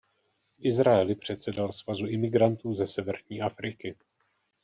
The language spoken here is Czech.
V Izraeli předsedal "Svazu imigrantů ze severní Afriky".